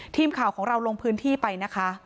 ทีมข่าวของเราลงพื้นที่ไปนะคะ